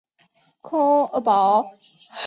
宝和按当铺旧址的历史年代为民国。